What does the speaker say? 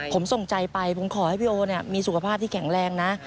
ผมส่งใจไปผมขอให้พี่โอมีสุขภาพที่แข็งแรงนะ